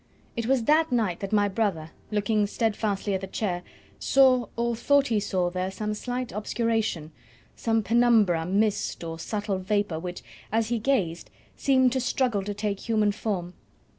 It was that night that my brother, looking steadfastly at the chair, saw, or thought he saw, there some slight obscuration, some penumbra, mist, or subtle vapour which, as he gazed, seemed to struggle to take human form.